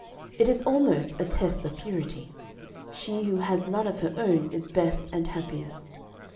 It is almost a test of purity. She who has none of her own is best and happiest.